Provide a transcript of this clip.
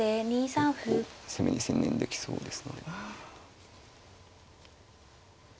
結構攻めに専念できそうですので。